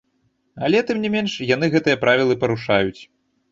Але, тым не менш, яны гэтыя правілы парушаюць.